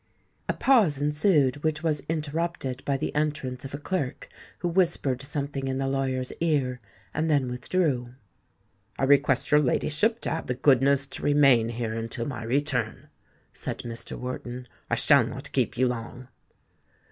A pause ensued, which was interrupted by the entrance of a clerk who whispered something in the lawyer's ear, and then withdrew. "I request your ladyship to have the goodness to remain here until my return," said Mr. Wharton. "I shall not keep you long."